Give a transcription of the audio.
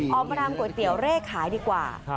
ออกมาทำก๋วยเตี๋ยวเร่ขายดีกว่า